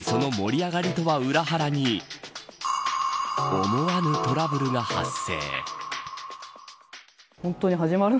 しかし、その盛り上がりとは裏腹に思わぬトラブルが発生。